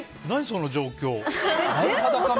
何その状況。